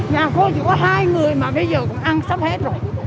nhà cô chỉ có hai người mà bây giờ cũng ăn sắp hết rồi